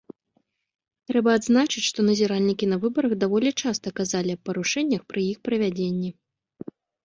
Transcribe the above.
Трэба адзначыць, што назіральнікі на выбарах даволі часта казалі аб парушэннях пры іх правядзенні.